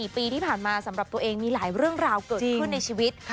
๔ปีที่ผ่านมาสำหรับตัวเองมีหลายเรื่องราวเกิดขึ้นในชีวิต